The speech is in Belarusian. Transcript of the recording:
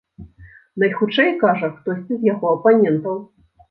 Найхутчэй, кажа, хтосьці з яго апанентаў.